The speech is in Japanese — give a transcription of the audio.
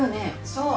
そう。